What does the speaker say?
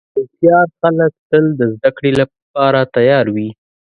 هوښیار خلک تل د زدهکړې لپاره تیار وي.